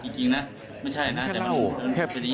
ไม่ใช่นะจะไม่รู้